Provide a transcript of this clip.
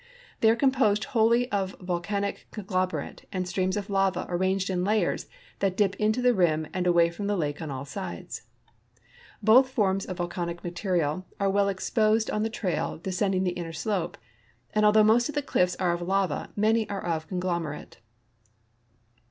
They are composed wholly of vol canic conglomerate and streams of lava arranged in layers that dip into the rim and away irom the lake on all sides. Both forms of volcanic material are well exjjosed on the trail descend ing tiie inner slope, and althougii most of the cliffs are of lava many are of conglomerate.